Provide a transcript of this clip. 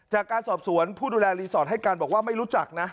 จากการสอบสวนผู้ดูแลรีสอร์ทให้การบอกว่าไม่รู้จักนะ